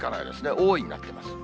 多いになっています。